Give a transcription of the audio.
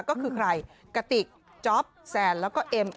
ก็คือใครกะติกจ๊อปแซนแล้วก็เอ็ม